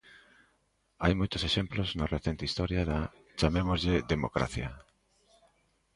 Hai moitos exemplos na recente historia da –chamémoslle– democracia.